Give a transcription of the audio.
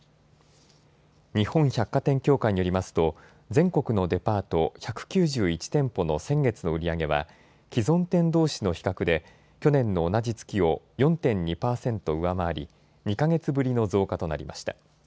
日本百貨店協会によりますと、全国のデパート１９１店舗の先月の売り上げは、既存店どうしの比較で去年の同じ月を４．２％上回り、２か月ぶりの増加となりました。